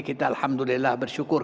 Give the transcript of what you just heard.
kita alhamdulillah bersyukur